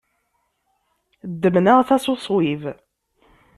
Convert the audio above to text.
Ddmen aɣtas uṣwib.